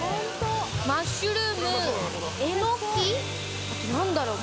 マッシュルームエノキあと何だろう？